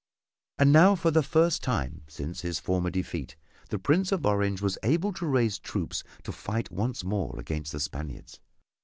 And now for the first time since his former defeat, the Prince of Orange was able to raise troops to fight once more against the Spaniards.